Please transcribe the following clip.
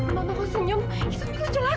bagaimana kamu senyum bagaimana kamu menjelaskan